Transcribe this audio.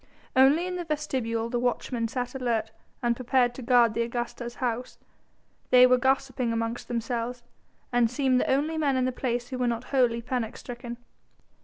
Only in the vestibule the watchmen sat alert and prepared to guard the Augusta's house; they were gossiping among themselves and seemed the only men in the place who were not wholly panic stricken.